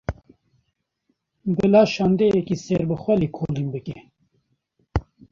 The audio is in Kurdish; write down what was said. Bila şandeyeke serbixwe lêkolîn bike